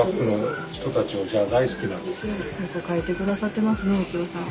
よく描いて下さってますね幸士さん。